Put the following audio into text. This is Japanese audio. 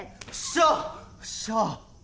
よっしゃー！